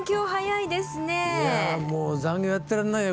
いやもう残業やってられないよ